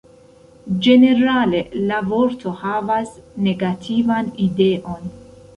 Ĝenerale la vorto havas negativan ideon.